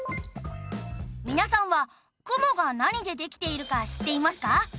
皆さんは雲が何でできているか知っていますか？